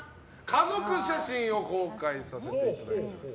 家族写真を公開させていただきます。